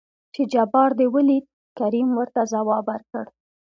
چې جبار دې ولېد؟ کريم ورته ځواب ورکړ.